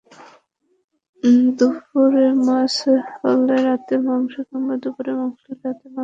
দুপুরে মাছ হলে রাতে মাংস, কিংবা দুপুরে মাংস হলে রাতে মাছ।